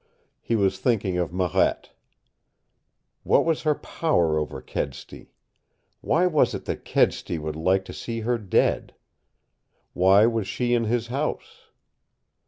He was thinking of Marette. What was her power over Kedsty? Why was it that Kedsty would like to see her dead? Why was she in his house?